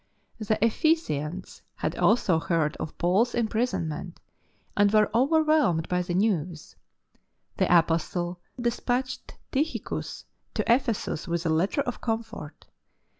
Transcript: The Ephesians had also heard of Paul's imprisonment, and w'ere overwhelmed b3^ the news. The Apostle despatched Tychicus to Ephesus with a letter of comfort.